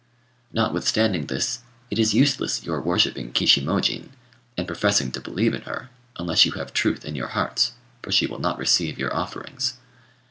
"Notwithstanding this, it is useless your worshipping Kishimojin, and professing to believe in her, unless you have truth in your hearts; for she will not receive your offerings.